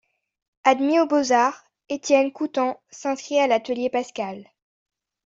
Admis aux Beaux-Arts, Étienne Coutan s'inscrit à l'atelier Pascal.